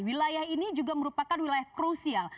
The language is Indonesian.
wilayah ini juga merupakan wilayah krusial